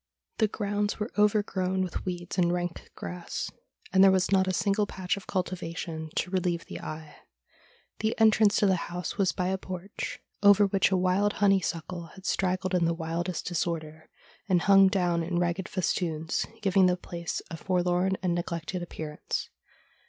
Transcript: The grounds were overgrown with weeds and rank grass, and there was not a single patch of cultivation to relieve the eye. The entrance to the house was by a porch, over which a wild honeysuckle had straggled in the wildest disorder, and hung down in ragged festoons, giving the place a forlorn and neglected appearance.